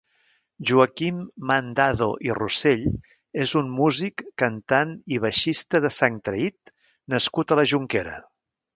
Joaquim Mandado i Rossell és un músic, cantant i baixista de Sangtraït nascut a la Jonquera.